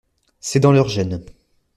C’est dans leurs gènes.